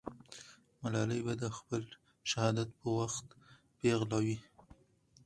ملالۍ به د خپل شهادت په وخت پېغله وي.